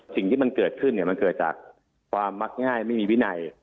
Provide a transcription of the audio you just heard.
สิ่งที่มันเกิดขึ้นมันเกิดจากความมักง่ายไม่มีวินัย